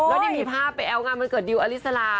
แล้วนี่มีภาพไปแอวงานวันเกิดดิวอลิสลา